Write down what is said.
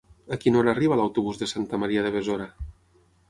A quina hora arriba l'autobús de Santa Maria de Besora?